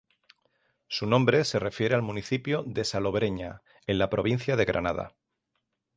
Su nombre se refiere al municipio de Salobreña, en la provincia de Granada.